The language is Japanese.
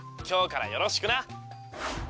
今日からよろしくな」